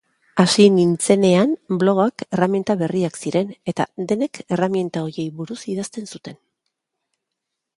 Hasi nintzenean blogak erreminta berriak ziren eta denek erreminta horiei buruz idazten zuten.